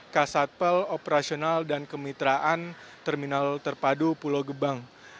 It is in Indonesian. kasatpel operasional dan kemitraan terminal terpadu pulau gebang